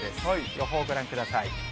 予報ご覧ください。